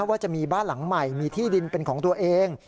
ว่าจะมีบ้านหลังใหม่มีที่ดินเป็นของตัวเอง